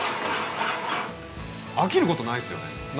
飽きることないですよね。